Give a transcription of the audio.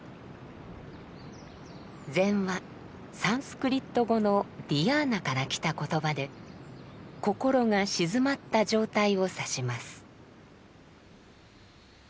「禅」はサンスクリット語の「ディヤーナ」からきた言葉で「心が静まった状態」を指します。